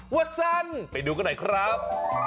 ว่าสั้นไปดูกันหน่อยครับ